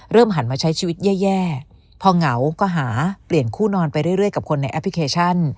หันมาใช้ชีวิตแย่พอเหงาก็หาเปลี่ยนคู่นอนไปเรื่อยกับคนในแอปพลิเคชัน